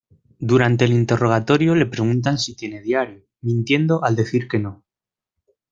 Durante el interrogatorio le preguntan si tiene diario, mintiendo al decir que no.